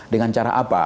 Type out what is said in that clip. dengan cara apa